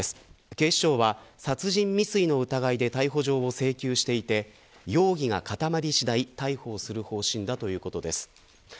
警視庁は殺人未遂の疑いで逮捕状を請求していて容疑が固まり次第逮捕する方針だということです。